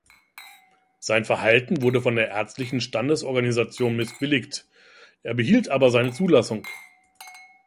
Sein Verhalten wurde von der ärztlichen Standesorganisation missbilligt, er behielt aber seine Zulassung.